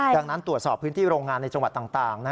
ดังนั้นตรวจสอบพื้นที่โรงงานในจังหวัดต่าง